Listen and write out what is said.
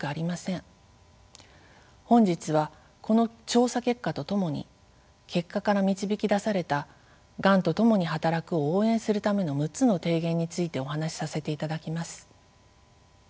本日はこの調査結果とともに結果から導き出された「がんとともに働く」を応援するための６つの提言についてお話しさせていただきます。